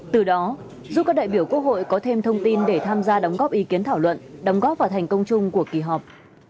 từ đó giúp các đại biểu quốc hội có thêm thông tin để tham gia đóng góp ý kiến thảo luận đóng góp vào thành công chung của kỳ họp